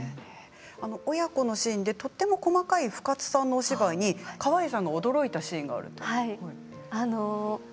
親子のシーンでとっても細かい深津さんのお芝居で川栄さんが驚いたシーンがあるそうですね。